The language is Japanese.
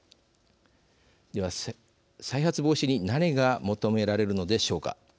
では、再発防止に何が求められるのでしょうか。